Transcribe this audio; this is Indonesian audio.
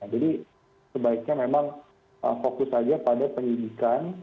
jadi sebaiknya memang fokus saja pada penyidikan